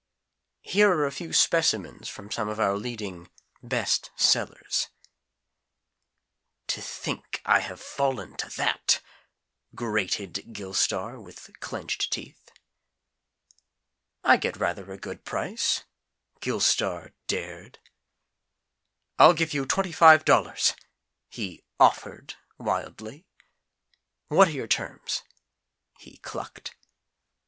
Here are a few specimens from some of our leading "best sellers": "To think I have fallen to that!" grated Gilstar with clenched teeth. "I get rather a good price," Gilstar dared. "I'll give you twenty five dollars," he offered wildly. "What are your terms?" he clucked.